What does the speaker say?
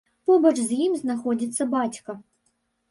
Побач з ім знаходзіцца бацька.